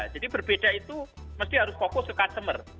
jadi berbeda itu mesti harus fokus ke customer